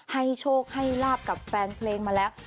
ให้โชคให้ลาบกับแฟนเพลงมาแล้ว